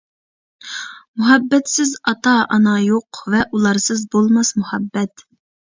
مۇھەببەتسىز ئاتا-ئانا يوق، ۋە ئۇلارسىز بولماس مۇھەببەت.